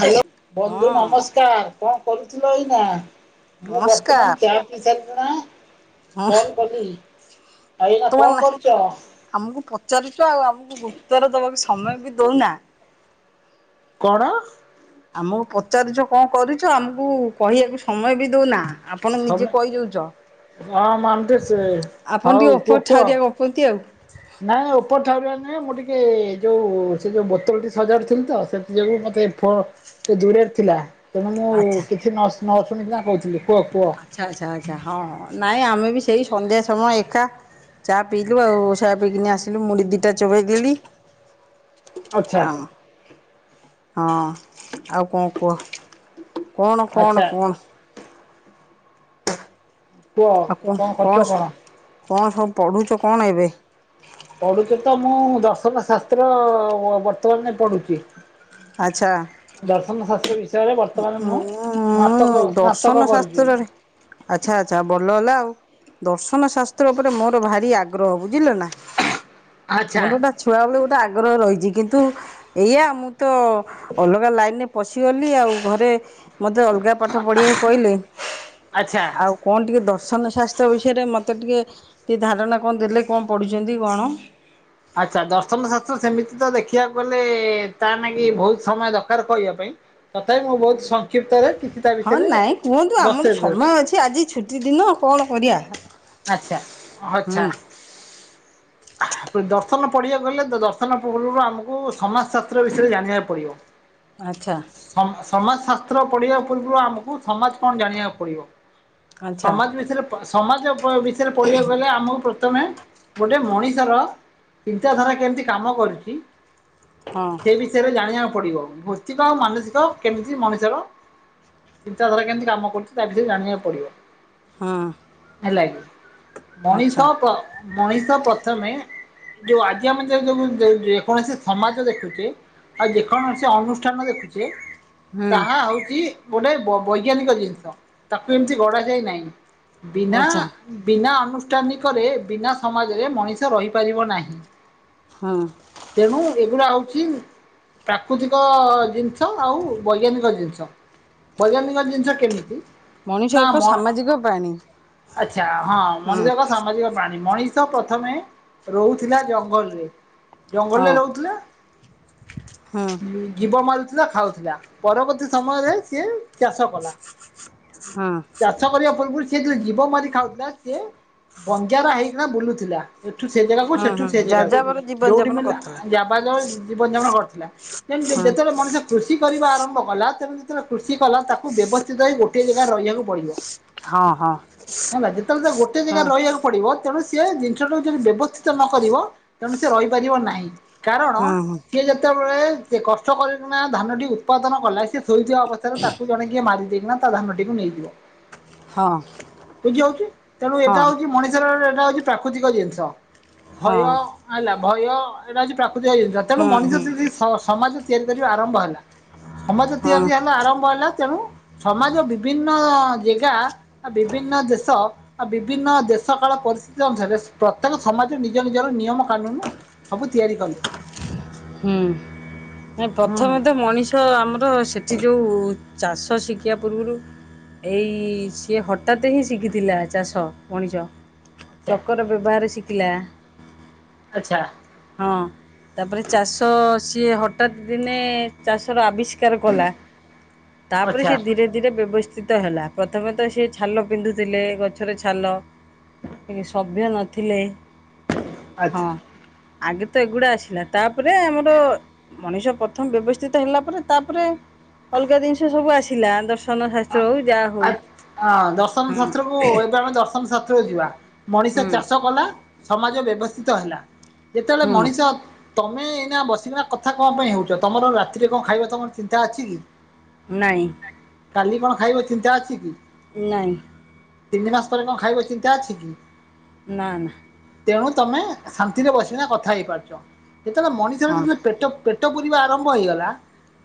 Hello ବନ୍ଧୁ ହଁ। ନମସ୍କାର କଣ କରୁ ଉଠିଲନି ନା? ମୁଁ ବର୍ତ୍ତମାନ ନମସ୍କାର ଚା ପିଇସାରି [inaudible] ହଁ ଆଉ ଏଇନା କଣ ବର୍ତ୍ତମାନ କରୁଛ? ଆମକୁ ପଚାରୁଛ ଆଉ ଆମକୁ ଗୁରୁତର ଦବାକୁ ସମୟ ବି ଦଉନା କ'ଣ? ଆମକୁ ପଚାରୁଛ କଣ କରୁଛ ଆମକୁ କହିବାକୁ ସମୟ ବି ଦଉନା। ଆପଣ ହଁ ନିଜେ କହିଦଉଛ। ମାନନ୍ତି ସେ ଆପଣ ହଉ ଟିକେ ଓପର କୁହ କୁହ ଠାଉରିଆ ଗପନ୍ତି ଆଉ। ନାଇଁ ଉପର ଠାଉରିଆ ନୁହେଁ ମୁଁ ଟିକେ ଟିକେ ଯୋଉ ସେ ଯୋଉ ବୋତଲଟି ସଜାଡୁଥିଲି ତ ସେଥି ଯୋଗୁ ମତେ ଦୂରେରେ ଥିଲା। ତେଣୁ ମୁଁ ଆଚ୍ଛା। କିଛି ନ ନାଁ ଅସୁବିଧା ହଉଥିଲେ। ଆଚ୍ଛା ଆଛା ଆଚ୍ଛା ହଁ ନାଇଁ ଆମେ ବି ସେଇ ସନ୍ଧ୍ୟା ସମୟ ଏକା ଚା ପିଇଲୁ ଆଉ ସହା ପିଇକିନି ଆସିଲୁ ମୁଢ଼ି ଦିଟା ଚୋବେେଇଦଲି ଆଚ୍ଛା। ହଁ ଆଉ କଣ କୁହ? କଣ ଆଚ୍ଛା କଣ କଣ? କୁହ କଣ ଖର୍ଚ୍ଚ କଣ? କଣ ସବୁ ପଢ଼ୁଛ କଣ ଏବେ ପଢୁଛ ତ ମୁଁ ଦର୍ଶନ ଶାସ୍ତ୍ର ବର୍ତ୍ତମାନ ପଢୁଛି। ଦର୍ଶନ ଶାସ୍ତ୍ର ବିଷ ଉ ସ୍ନାତକ ଦର୍ଶନ କରୁଛି। ଶାସ୍ତ୍ରରେ ଆଚ୍ଛା ଆଚ୍ଛା ଭଲ ହେଲା ଆଉ। ଦର୍ଶନ ଶାସ୍ତ୍ର ଉପରେ ମୋର ଭାରି ଆଗ୍ରହ ବୁଝିଲ ନା। ଆଚ୍ଛା ମନୁଟା ଛୁଆ ବେଳୁ ଗୋଟେ ଆଗ ଆଗ୍ରହ ରହିଛି କିନ୍ତୁ ଏଇଆ ମୁଁ ତ ଅଲଗା ଲାଇନରେ ପଶିଗଲି ଆଉ ଘରେ ମତେ ଅଲଗା ପାଠ ପଢିବାକୁ କହିଲେ ଆଚ୍ଛା। ଆଉ କଣ ଟିକେ ଦଶ ଦର୍ଶନ ଶାସ୍ତ୍ର ବିଷୟରେ ମତେ ଟିକେ ଧାରଣା କଣ ଧାରଣା ଟିକେ ଦେଲେ କଣ ପଢ଼ିଛନ୍ତି କଣ? ଆଚ୍ଛା ଦର୍ଶନ ଶାସ୍ତ୍ର ସେମିତି ତ ଦେଖିବାକୁ ଗଲେ ତାନାଗି ବହୁତ ସମୟ ଦରକାର କରିବା ପାଇଁ ତଥାପି ମୁଁ ବହୁତ ସଂକ୍ଷିପ୍ତରେ କିଛି ତା ହଁ ବିଷୟରେ ନାଇଁ କୁହନ୍ତୁ ଆମର ଦର୍ଶେଇ ସମୟ ଦଉଛି। ଅଛି ଆଜି ଛୁଟି ଦିନ କଣ କରିଆ। ଆଚ୍ଛା ଅଚ୍ଛା। ଦର୍ଶନ ପଢିବାକୁ ହେଲେ ଦର୍ଶନ ପୂର୍ବରୁ ଆମକୁ ସମାଜ ଶାସ୍ତ୍ର ବିଷୟରେ ଜାଣିବାକୁ ପଡିବ। ଆଚ୍ଛା ସମ ସମାଜଶାସ୍ତ୍ର ପଢ଼ିବା ପୂର୍ବରୁ ଆମକୁ ସମାଜ କଣ ଜାଣିବାକୁ ପଡିବ ଆଚ୍ଛା ସମାଜ ବିଷୟରେ ପ [unintelligible] ପ ଦିସପ ପଢ଼ିବାକୁ ହେଲେ ଆମକୁ ପ୍ରଥମେ ଗୋଟେ ମଣି ର ଚିନ୍ତାଧାରା କେମିତି କାମ କରିଛି। ହଁ। ସେ ବିଷୟରେ ଜାଣିବା ପଡିବ ଭୌତିକ ଆଉ ମାନସିକ କେମିତି ମଣିଷର ଚିନ୍ତାଧାରା କେମିତି କାମ କରୁଛି ତା ବିଷୟରେ ଜାଣିବାକୁ ପଡିବ। ହଁ। ହେଲା କିି ଆଚ୍ଛା ମଣିଷ ତ। ମଣିଷ ପ୍ରଥମେ ଯୋଉ ଆଜି ଆମେ ଯଉ ଯୋଉ ଯେକୌଣସି ସମାଜ ଦେଖୁଛେ ଆଉ ଯେକୌଣସି ଅନୁଷ୍ଠାନ ଦେଖୁଛେ- ହୁଁ ତାହା ହଉଛି- ଗୋଟେ ବୈଜ୍ଞାନିକ ଜିନିଷ ତାକୁ ଏମିତି ଗଢ଼ା ଯାଏ ନାହିଁ। ବିନା ଆଚ୍ଛା ବିନା ବି- ଅନୁଷ୍ଠାନିକରେ ବିନା ସମାଜରେ ମଣିଷ ରହିପାରିବ ନାହିଁ। ହଁ ତେଣୁ ଏଗୁଡା ହେଉ- ପ୍ରାକୃତିକ ଜିନିଷ ଆଉ ବୈଜ୍ଞାନିକ ଜିନିଷ। ବୈଜ୍ଞାନିକ ଜିନିଷ କେମିତି? ମଣିଷ ନା ମ ଏକ ସାମାଜିକ ପ୍ରାଣୀ। ଆଚ୍ଛା ହଁ ହୁଁ ମଣିଷ ଏକ ସାମାଜିକ ପ୍ରାଣୀ। ମଣିଷ ପ୍ରଥମେ ରହୁଥିଲା ଜଙ୍ଗଲରେ। ଜଙ୍ଗଲରେ ହଁ ରହୁଥିଲେ। ହୁଁ ଜୀବ ମାଲ- କଞ୍ଚା ଖାଉଥିଲା। ପରବର୍ତ୍ତୀ ସମୟରେ ସିଏ ଚାଷ କଲା। ହୁଁ ଚାଷ କରିବା ପୁର୍ବ ରୁ ସେ ଯୋଉ ଜୀବ ମାରି ଖାଉଥିଲା ସେ ବଞ୍ଜାରା ହେଇକିନା ବୁଲୁଥିଲା। ସେଠୁ ସେ ଜାଗାକୁ ହୁଁ ସେଠୁ ସେ ହୁଁ ଜାଗାକୁ ଯାଯାବର ଜୀବନ ଯୋଉଠି ଯାପନ ମିଳିଲା କରୁଥିଲା ଯା ଵା ଯାଉ ଜୀବନ ଯାପନ କରି ଲା। ଯାଇ ହୁଁ ଯେତେବେଳେ ମଣିଷ କୃଷି କରିବା ରମ୍ଭ କଲା ତେଣୁ ଯେତେବେଳେ କୃଷି କଲା ତାକୁ ବ୍ୟବସ୍ଥିତ ହେଇ ଗୋଟଏ ଜାଗାରେ ରହିବାକୁ ପଡିବ। ହଁ ହଁ ଇଁଲା ଯେତେବେଳେ ତା ଗୋଟେ ହଁ ଜାଗାରେ ରହିବାକୁ ପଡିବ ତେଣୁ ସ ସେ ଜିନିଷ ଟାକୁ ଯଦି ବ୍ୟବସ୍ଥିତ ନ କରିବ ତେଣୁ ସେ ରହିପାରିବ ନାହିଁ। କାରଣ ହଁ ସିଏ ଯେତେବେଳେ ସେ କଷ୍ଟ କରି ନା ଧାନଟି ଉତ୍ପାଦନ କଲା ସେ ଶୋଇଥିବା ଅବସ୍ଥାରେ ତାକୁ ଜଣେ କିଏ ମାରି ଦିନା ତା ଧାନଟିିକକୁ ନେଇଯିବ। ହଁ। ବୁଝି ହାଉଛି ତେଣୁ ଏଇଟା ହଁ ହଁ ହଉଛି ମଣିଷର ଏଇଟା ହଉଛି ପ୍ରାକୃତିକ ଜିନିଷ ହଁ ଭୟ ହଁ ଆଲା ଭୟ ଏଇଟା ଆଜି ପ୍ରାପ୍ତ ଏକୁଟିଆ ହେଇଯାଇଥିଲା ତେଣୁ ମଣିଷ ହୁଁ ଯଦି ସମାଜ ତେର ରୁ ଆରମ୍ଭ ହେଲା। ସମସ୍ତ ତ ହଁ ତିଆରି ହେଲା ଆରମ୍ଭ ହେଲା। ତେଣୁ ସମାଜ ବିଭିନ୍ନ ଜେଗା ଆ ବିଭିନ୍ନ ଦେଶ ଆ ବିଭିନ୍ନ ଦେଶ କାଳ ପରିସ୍ଥିତି ଅନୁସାରେ ପ୍ରତ୍ୟେକ ସମାଜ ନିଜ ନିଜର ନିୟମ କାନୁନ ସବୁ ତିଆରି କଲେ। ହୁଁ ହୁଁ ପ୍ରଥମେ ତ ମଣିଷ ଆମର ସେ ସେ ଯେଉଁ ଚାଷ ଶିଖିବା ପୂର୍ବରୁ ଏଇ ସିଏ ହଠାତ୍ ହିଁ ଶିଖିଥିଲା ଚାଷ ମଣିଷ। ଆଚ୍ଛା ଚକର ବ୍ୟବହାର ଶି କିଲା ଆଚଛା ହଁ ତାପରେ ଚାଷ ସି ହଠାତ ଦିନେ ଚାଷର ଆବିଷ୍ ବିଷ୍କାର ତାପରେ ଆଚ୍ଛା ସେ ଧୀରେ ଧୀରେ ବ୍ୟବସ୍ ଚିତ ହେଲା ପ୍ରଥମେ ତ ସିଏ ଛାଲ ପିନ୍ଧୁଥିଲେ ଗଛର ଛାଲ କି ସଭ୍ୟ ନଥିଲେ ଆଚ୍ଛା ହଁ ଆଗେ ତ ଏଗୁଡା ଆସିଲା ତାପରେ ଆମର ମଣିଷ ପ୍ରଥମ ବ୍ୟବସ୍ଥିତ ହେଲା ପରେ ତାପରେ ଅଲଗା ଜିନିଷ ସବୁ ଆସିଲା ଦସ ଆ ଆ ହଁ ଦର୍ଶନ ହଁ ଶାସ୍ତ୍ରକୁ ଏବେ ଆମେ ଦର୍ଶନ ଶାସ୍ତ୍ର ତେବେଳେ ଯିବା ମଣିଷ ହୁଁ ଚାଷ କଲା ସମାଜ ବେ ଅବସ୍ଥିତ ହେଲା। ଯେତେବେଳେ ହୁଁ ମଣିଷ ତମେ ଏଇନା ବସିକି କଥା କଣ ପାଇଁ ହଉଛ ତମର ରାତିରେ କଣ ଖାଇବା ତମର ଚିନ୍ତା ଅଛି କି? ନାହିଁ। କାଲି କଣ ଖାଇବ ଚିନ୍ତା ଅଛି କି? ନାହିଁ ତିନି ମାସ ପରେ କଣ ଖାଇବ ଚିନ୍ତା ଅଛି କି? ନା ନା ତେଣୁ ତମେ ଶାନ୍ତିରେ ବସିନା କଥା ହେଇପାରୁଛ। ଯେତେବେଳେ ମଣିଷରେ ହଁ ଯେତେବେ ପେଟ ପେଟ ପୂରିବା ଆରମ୍ଭ ହେଇଗଲା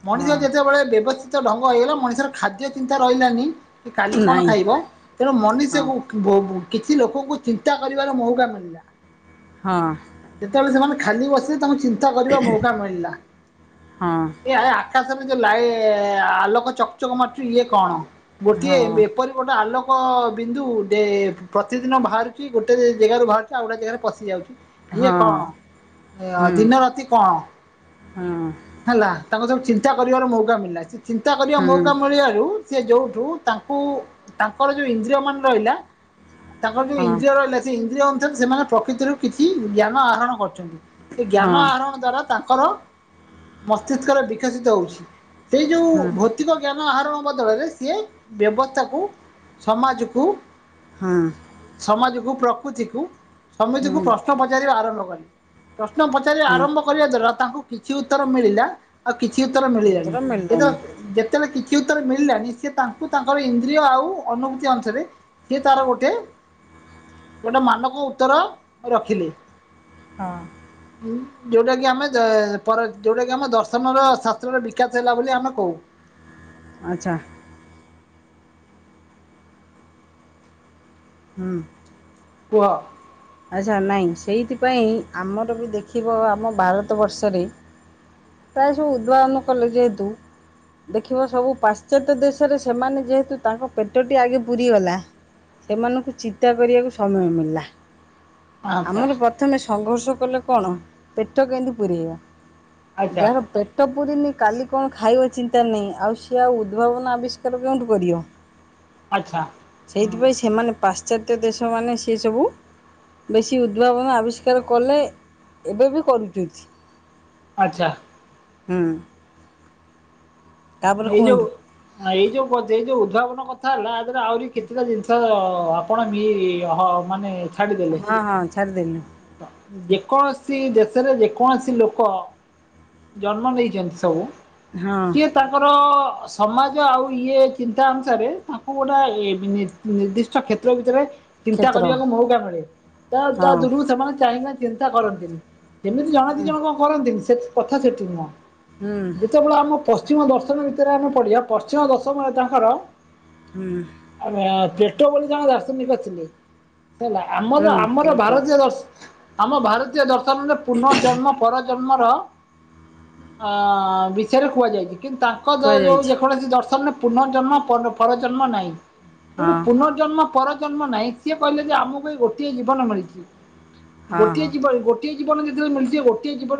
ମଣିଷ ହଁ ଯେତେବେଳେ ବ୍ୟବସ୍ ଢଙ୍ଗ ହେଇଗଲା ମଣିଷର ଖାଦ୍ୟ ଚିନ୍ତା ରହିଲାନି କି କାଲି କଣ ନାଇଁ ଖାଇବ ତେଣୁ ହଁ ମଣିଷକୁ କିଛି ଲୋକଙ୍କୁ ଚିନ୍ତା କରିବାର ମଉକା ମିଳିଲା। ହଁ ଯେତେବେଳେ ସେମାନେ ଖାଲି ବସିକି ତାଙ୍କୁ ଚିନ୍ କରିବା ମୌକା ମିଳିଲା ହଁ ଏ ଆକା [inaudible] ଯୋଉ ଲାଇ ଆଲୋକ ଚ କଚକ ମାରୁଛି ଇଏ କଣ? ଗୋଟିଏ ହଁ ଏପରି ଗୋଟେ ଆଲୋକ ବିନ୍ଦୁ ଯେ ପ୍ରତିଦିନ ବାହାରୁଛି ଗୋଟେ ଜାଗାରୁ ବାହାରୁଛି ଆଉ ଗୋଟେ ଜାଗାରେ ପଶି ଯାଉଛି। ଇଏ ହଁ କଣ ହୁଁ ଦିନ ରାତି କଣ? ହଁ ହେଲା ତାଙ୍କ ଯ ଚିନ୍ତା କରିବାର ମୌକା ମିଳିଲା ତିତ୍ ଚିନ୍ତା ହୁଁ କରିବା [inaudible] ସେ ଯୋଉଠୁ ତାଙ୍କୁ ତାଙ୍କର ଯୋଉ ଇନ୍ଦ୍ରିୟ ମାନ ରହିଲା ତାଙ୍କ ଯୋଉ ହଁ ଇନ୍ଦ୍ରିୟ ରହିଲା ସେ ଇନ୍ ଅନୁସାରେ ସେମାନେ ପ୍ରକୃତିରୁ କିଛି ଜ୍ଞାନ ଆହରଣ କରି ସେ ଜ୍ଞାନ ହଁ ଆହରଣ ଦ୍ଵାରା ତା ତାଙ୍କର ମସ୍ତିଷ୍କରେ ବିକଶିତ ହଉଛି। ସେଇ ଯୋଉ ହୁଁ ଭୌତିକ ଆହରଣ ବଦଳରେ ସିଏ ବ୍ୟବସ୍ଥାକୁ ସମାଜକୁ ହୁଁ ସମାଜକୁୁପ୍ ପ୍ରକୃତିକୁ ସମିତିକୁ ହୁଁ ପ୍ରଶ୍ନ ପଚାରିବା ଆର [inaudible] ପ୍ରଶ୍ନ ପଚାରିବା ହୁଁ ଆରମ୍ଭ କରିବା ଜର ତାଙ୍କୁ କିଛି ଉତ୍ତର ମିଳିଲା କିଛି ଉତ୍ତର ମିଳିଲାଣି ଏଥର ମିଳିଲାନି ଏ ତ କିଛି ଉତ୍ତର ମିଳିଲାନି ସେ ତାଙ୍କୁ ତାଙ୍କର ଇନ୍ଦ୍ରିୟ ଆଉ ଅନୁଭୂତି ଅନୁସାରେ ସେ ତାର ଗୋଟେ ଗୋଟେ ମାନକ ଉତ୍ତର ରଖିଲେ। ହଁ। ଯୋଉଟା କିି ଆମେ ଯୋଉଟା କି ଆମ ଦର୍ଶନର ଶାସ୍ତ୍ରର ବିକାଶ ହେଲା ବୋଲି ଆମେ କହୁ। ଆଚ୍ଛା। ହଁ। କୁହ? ଆଚ୍ଛା ନହିଁ ସେଇଥିପାଇଁ ଆମର ବି ଦେଖିବ ଆମ ଭାରତ ବର୍ଷରେ ପ୍ରାୟ ସବୁ ଉଦ୍ଭାବନ କଲେ ଯେହେତୁ ଦେଖିବ ସବୁ ପାଶ୍ଚାତ୍ୟ ଦେଶରେ ସେମାନେ ଯେହେତୁ ତାଙ୍କ ପେଟଟି ଆଗେ ପୁରିଗଲା ସେମାନଙ୍କୁ ଚିନ୍ତା କରିବାକୁ ସମୟ ମିଳିଲା। ଆଚ୍ଛା ଆମର ପ୍ରଥମେ ସଂଘର୍ଷ କଲେ କଣ ପେଟ କେମିତି ପୁରେଇବା। ଆଚ୍ଛା ଯାହାର ପେଟ ପୁରିନି କାଲି କଣ ଖାଇବେ ଚିନ୍ତା ନାହିଁ ଆଉ ସିଏ ଆଉ ଉଦ୍ଭାବନ ଆବିଷ୍କାର କେଉଁଠି କରିବ? ଆଚ୍ଛା ହୁଁ ସେଇଥିପାଇଁ ସେମାନେ ପାସ୍ ଶ୍ଚାତ୍ୟ ଦେଶ ମାନେ ସିଏ ସବୁ। ବେଶୀ ଉଦ୍ଭାବନ ଆବିଷ୍କାର କଲେ ଏବେ ବି କରୁଚନ୍ତି। ଆଚ୍ଛା। ହୁଁ। ତାପରେ ଏଇ ଯୋଉ କୁହନ୍ତୁ ଏଇ ଯଉ ଏଇ ଯୋଉ ଉଭାବନ କଥା ହେଲା [unintelligible] ଆହୁରି କେତେଟା ଜିନିଷ ଆପଣ ମି-ହ ମାନେ ଝାଡି ଦେଲେ ହଁ ହଁ ଛାଡ଼ିଦେଲି ଦେ କୌଣସି ଦେଶରେ ଯେକୌଣସି ଲୋକ ଜନ୍ମ ନେଇଚନ୍ତି ସବୁ ହଁ। ତ ସମାଜ ଆଉ ଇଏ ଚିନ୍ତା ଅନୁସାରେ ତାଙ୍କୁ ଗୋଟେ ନି-ନିର୍ଦ୍ଦିଷ୍ଟ କ୍ଷେତ୍ର ଭିତରେ ଚିନ୍ତା କ୍ଷେତ୍ର କରିବାକୁ ମଉକା ମିଳେ ତା-ତା ହଁ ଦୂରରୁ ସେମାନେ ଚାହିଁବେ ଚିନ୍ତା କରନ୍ତିନି। ସେମିତି ଜଣେ ଦି ଜଣ କଣ କରନ୍ତିନି? ସେ କଥା ସେଠି ନୁହଁ। ହୁଁ ଯେତେବେଳେ ଆମ ପ ପଶ୍ଚିମ ଦର୍ଶନୀ ଭିତରେ ଆମେ ପଡିବା ପଶ୍ଚିମ ଦଶମ ତାଙ୍କର ହୁଁ [unintelligible] ଟ ବେଳୁ ଜଣେ ଦାର୍ଶନିକ ଥିଲେ। ହେଲା ଆମର ହୁଁ ଆମର ପ୍ଲାଟ ଭାରତୀୟ ଦର୍ଶ ଆମ ଭାରତୀୟ ଦ ପୁନଃ ଜନ୍ମ ପରଜ ନ୍ମର ବିଷୟରେ କୁହାଯାଇଚି। କିନ୍ତୁ ତାଙ୍କ ଯେ ଯଉ କୁହାଯାଇଛି ଯେକୌଣସି ଦର୍ଶନରେ ପୁନଃ ଜନ୍ମ ପ-ପରଜନ୍ମ ନାହିଁ। [unintelligible] ହଁ ପୁନଃଜନ୍ମ ପର ଜନ୍ମ ନାହିଁ ସିଏ କହିଲେ ଯେ ଆମକୁ ଏ ଗୋଟିଏ ଜୀବନ ମିଳିଚି। ହଁ ଗୋଟିଏ ହଁ ଜୀବ ଗୋଟିଏ ଜୀବନ ଯେତେବେଳେ ମିଳିଚି ଗୋଟିଏ ଜୀବନ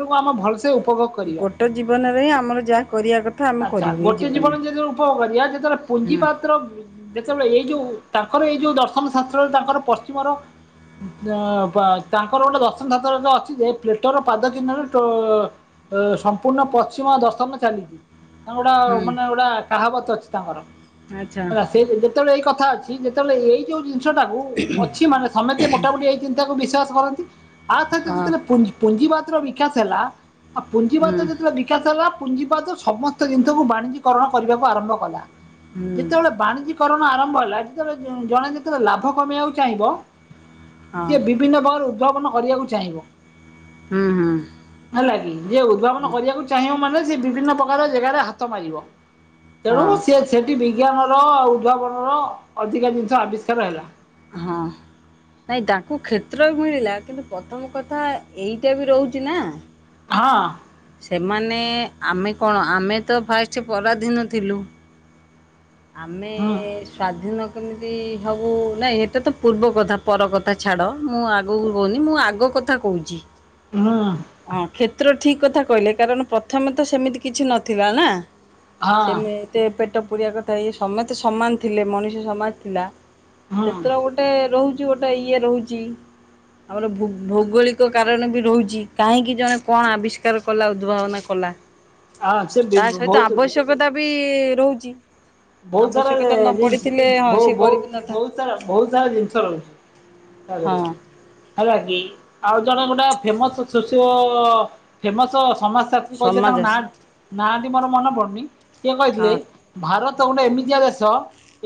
ଗୋଟେ ଜୀବନରେ ହିଁ ଆମର ଯାହା କରିବା କ ଆଚ୍ଛା ଗୋଟେ ଜୀବନ ଯେତେବେଳେ ଉପଭୋଗ କରିବା ଯେତେବେଳେ ପୁଞ୍ଜି ହୁଁ ପାତ୍ର ଯେତେବେଳେ ଏଇ ଯୋଉ ତାଙ୍କର ଏଇ ଯୋଉ ଦର୍ଶନ ଶାସ୍ତ୍ରରେ ତାଙ୍କର ପଶ୍ଚିମର ତାଙ୍କର ଗୋଟେ ଦର୍ଶନ ଶାସ୍ତ୍ର ଅଛି ଯେ ପ୍ଲେଟର ପାଦ ଚିହ୍ନରେ ସମ୍ପୂର୍ଣ୍ଣ ପଶ୍ଚିମ ଦର୍ଶନ ଚାଲିଛି। ଗୋଟା ମାନେ ହୁଁ ଗୋଟା କାହା ଅଛିି ତାଙ୍କର ଆଚ୍ଛା ହେଲା ସେ ଯେତେବେଳେ ଏଇ କଥା ଅଛି ଯେତେବେଳେ ଏଇ ଯୋଉ ଜ [inaudible] ଅଛି ମାନେ ତେ ମୋଟାମୋଟି ଏଇ ତାକୁ ବିଶ୍ଵାସ କରନ୍ତି। ଆ ହଁ [inaudible] ପୁଞ୍ଜିିବା ବିକାଶ ହେଲା ଆଉ ପୁଞ୍ଜିବାଦ ହୁଁ ଯେତେବେଳେ ବିକାଶ ହେଲା ପୁଞିପାଦ ସମସ୍ତ ଜିନିଷକୁ ବାଣିଜ୍ୟକରଣ କରିବାକୁ ଆରମ୍ଭ କଲା। ହୁଁ ଯେତେବେଳେ ବାଣିଜ୍ୟ କରଣ ଆରମ୍ଭ ଯେତେବେଳେ ଜଣେ ଯେତେବେଳେ ଲାଭ କମେଇବାକୁ ଚାହିଁବ। ହଁ ସେ ବିଭିନ୍ନ ବଳ ପଣ କରିବାକୁ ଚାହିଁବ। ହୁଁ ହୁଁ ହେଲା କି ଯ ଉଦ୍ଭାବନ ହୁଁ କରିବାକୁ ଚାହିଁବ ମାନେ ବିଭିନ୍ନ ପ ଜାଗାରେ ହାତ ମାରିବ। ତେଣୁ ହଁ ସେ ସେଠି ବି ବିଜ୍ଞାନର ଉଦ୍ଭାବନର ଅଧିକା ଜିନିଷ ଆବିଷ୍କାର ହେଲା। ହଁ ନାଇଁ ତାଙ୍କୁ କ୍ଷେତ୍ର ବି ମିଳିଲା କିନ୍ତୁ ପ୍ରଥମ କଥା ଏଇଟା ବି ରହୁଛି ନାଁ ହଁ। ସେମାନେ ଆମେ କଣ ଆମେ ତ ଫାଷ୍ଟ ପରାଧୀନ ଥିଲୁ ଆମେ ସ୍ଵାଧୀନ କେମିତି ହବୁ ନାଇଁ ଏଇଟା ତ ପୂର୍ବ କଥା ପର କଥା ଛାଡ଼ ମୁଁ ଆଗକୁ କହୁନି ମୁଁ ଆଗ କଥା କହୁଚି ହଁ। ପତ୍ର ଠିକ୍ କଥା କହିଲେ କାରଣ ପ୍ରଥମେ ତ ସେମିତି କିଛି ନଥିଲା ନାଁ ଛେମେ ପ [inaudible] ତ ଇ ସମେ ତ ସମାନ ଥିଲେ ମଣିଷ ସମାନ ଥିଲା। କ୍ଷେତ୍ର ଗୋଟେ ରହୁଛି ଆଛି ଗୋଟେ ଇଏ ରହୁଛି ଆମର ଭୌଗୋଳିକ କାରଣ ବି ରହୁଛି କାହିଁକି ଜଣେ କଣ ଆବିଷ୍କାର କଲା ଉଦ୍ଭାବନା କଲା। ସେ ତା ସହିତ ବହୁତ ଆବଶ୍ୟକତା ବି ଇ ରହୁଛି। ବହୁତ ସାରା ଆବଶ୍ୟକତା ନ ଜିନଷ ପଡିଥିଲେ ହଁ ବ ଭ ସିଏ ଭୋ କରିବି ନଥା ବହୁତ ସାରା ବହୁତ ସାରା ଜିନିଷ ରହୁଛି। [unintelligible] ହଁ ହେଲା କି? ଆଉ ଜଣେ ଗୋଟେ ଫେମସ ଶୋଷିଓ ସମାଜ କହିଛ ସମାଜ ତାଙ୍କ ନା ଆସି ନା ମୋର ମନ ପଡୁନି ସିଏ ହଁ କହିଥିଲ ଭାରତ ତ ଗୋଟେ ଏମିତିଆ ଦେଶ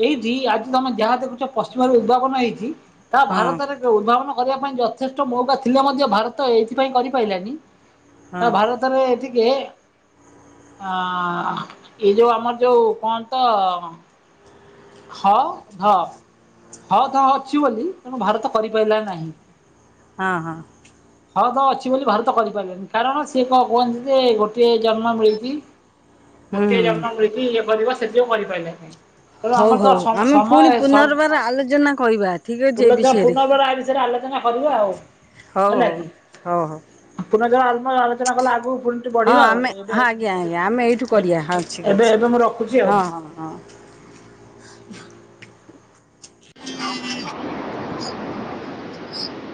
ଏଇଠି ଆଜି ତମେ ଯାହା ଦେଖୁଛ ପଶ୍ଚିମରେ ଉଦ୍ଭାବନ ହେଇଛି। ତା ହଁ ଭାରତରେ ଉଦ୍ଭାବନ କରିବା ପାଇଁ ଯଥେଷ୍ଟ ମୌକା ଥିଲେ ମଧ୍ୟ ଭାରତ ଏଇଥିପାଇଁ କରିପାଇଲାନି ତ ହଁ ଭାରତରେ ଏଥି ଅ ଏଇ ଯୋଉ ଆମର ଯୋଉ କଣ? ତ ହଁ ଧ ହଁ ଧ ଅଛି ବୋଲି ତେଣୁ ଭାରତ କରିପାରିଲା ନାହିଁ। ହଁ ହଁ। ହଁ ତ ଅଛି ବୋଲି ଭାରତ କରିପାରିଲେନି କାରଣ ସଏ କ କୁହନ୍ତି ଯେ ଗୋଟଏ ଜନ୍ମ ମିଳୁଛି। ହୁଁ ଗୋଟିଏ ହୁଁ। ଜନ୍ମ ମିଳିଛି ଇଏ କରିବା ସେଉ କରିପାରିଲା ନାଇଁ ହଉ ହଉ ଆମେ ପୁଣି ପୁନର୍ବାର ଆଲୋଚନା କରିବା ଠିକ ଅଛି ଏ ବିଷୟରେ ପୁନର୍ବାର ଏ ବିଷୟରେ ଆଲୋଚନା କରିବା ଆଉ ହଉ ହେଲେ ହଉ। କି ହଉ ହଉ ଆ ଆଲୋଚନା କଲା ଆଗକୁ ପୁଣି ହଁ ବଢିବା ଆଉ ଆମେ ଏବେ ହଁ ଆଜ୍ଞା ଏବେ ଆଜ୍ଞା ଆମେ ଏଇଠୁ କରିବା ହଁ ଠିକ ଏବେ ଅଛି ଏବେ ମୁଁ ରଖୁଛି ଆଉ। ହଁ ହଁ ହଁ। [inaudible] [inaudible]